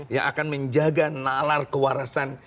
yang akan menjaga nalar kewarasan